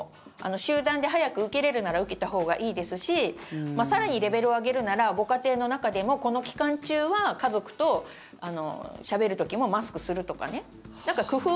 集団で早く受けれるなら受けたほうがいいですし更にレベルを上げるならご家庭の中でもこの期間中は家族としゃべる時もマスクするとかね。